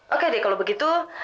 oke deh kalau begitu